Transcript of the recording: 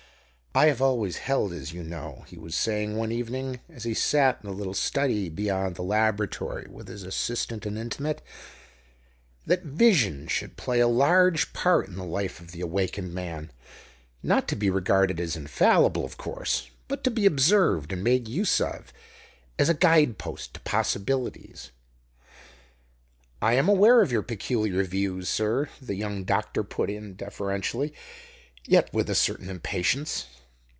"I have always held, as you know," he was saying one evening as he sat in the little study beyond the laboratory with his assistant and intimate, "that Vision should play a large part in the life of the awakened man not to be regarded as infallible, of course, but to be observed and made use of as a guide post to possibilities " "I am aware of your peculiar views, sir," the young doctor put in deferentially, yet with a certain impatience.